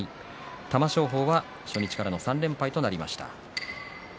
玉正鳳は初日からの３連敗となりました。